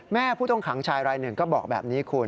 แม่ผู้ต้องขังชายวรรย์๑ก็บอกแบบนี้คุณ